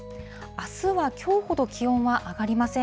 あすはきょうほど気温は上がりません。